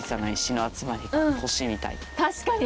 確かに。